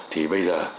thì bây giờ